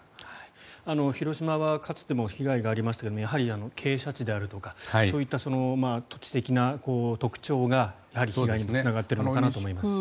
広島はかつても被害がありましたがやはり傾斜地であるとかそういった土地的な特徴がやはり被害につながっているのかなと思います。